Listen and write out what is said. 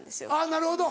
なるほど。